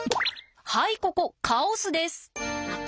はいここカオスです！